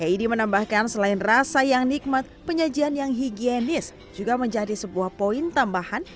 idi menambahkan selain rasa yang nikmat penyajian yang higienis juga menjadi sebuah poin tambahan